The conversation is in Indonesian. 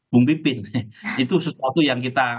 bung pipi itu sesuatu yang kita